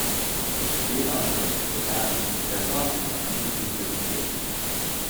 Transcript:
Später unterrichtete er als Professor an verschiedenen Universitäten.